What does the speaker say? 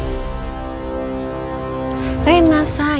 apakah semuanya akan terbongkar hari ini